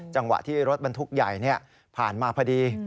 จังหวะที่รถบรรทุกใหญ่ผ่านมาพอดี